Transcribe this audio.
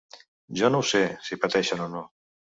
Jo no ho sé, si pateixen o no.